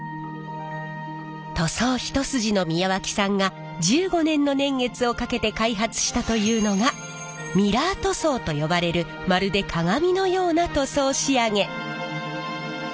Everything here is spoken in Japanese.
塗装一筋の宮脇さんが１５年の年月をかけて開発したというのがミラー塗装と呼ばれるまるで鏡のような塗装仕上げ。